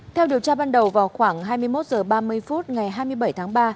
theo điều tra ban đầu vào khoảng hai mươi một h ba mươi phút ngày hai mươi bảy tháng ba